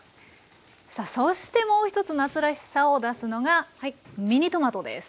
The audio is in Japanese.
さあそしてもう一つ夏らしさを出すのがミニトマトです。